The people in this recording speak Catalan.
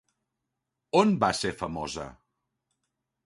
On va ser famosa?